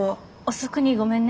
遅くにごめんね。